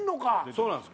そうなんす